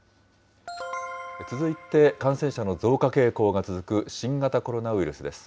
続いて感染者の増加傾向が続く新型コロナウイルスです。